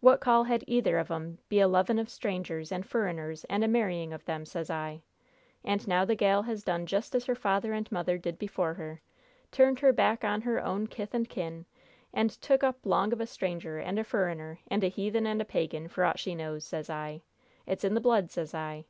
What call had either of 'em be 'a loving of strangers and furriners and a marrying of them, sez I? And now the gal has done just as her father and mother did before her! Turned her back on her own kith and kin, and took up 'long of a stranger and a furriner, and a heathen and a pagan, for aught she knows, sez I! It's in the blood, sez I!